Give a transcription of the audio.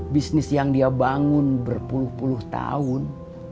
bisnis yang dia bangun berpuluh puluh tahun